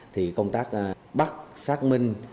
thì công tác bắt xác minh